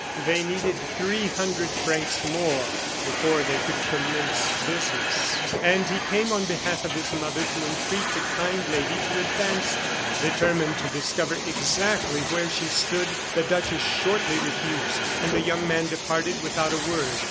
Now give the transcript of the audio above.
They needed three hundred francs more before they could commence business, and he came on behalf of his mother to entreat the kind lady to advance them. Determined to discover exactly where she stood, the duchess shortly refused, and the young man departed without a word.